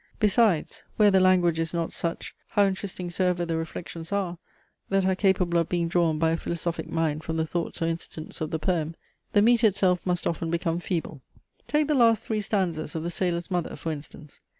Besides, where the language is not such, how interesting soever the reflections are, that are capable of being drawn by a philosophic mind from the thoughts or incidents of the poem, the metre itself must often become feeble. Take the last three stanzas of THE SAILOR'S MOTHER, for instance.